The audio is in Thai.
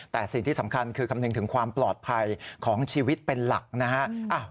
แต่สิ่งที่สำคัญคือคำนึงถึงความปลอดภัยของชีวิตเป็นหลักนะฮะ